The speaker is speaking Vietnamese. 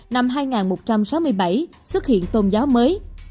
năm hai nghìn một trăm sáu mươi bảy xuất hiện tôn giáo mới